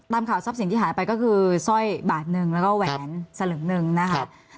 ตามข่าวทรัพย์สินที่หายไปก็คือสร้อยบาทหนึ่งแล้วก็แหวนสลึงหนึ่งนะคะ